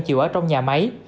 chịu ở trong nhà máy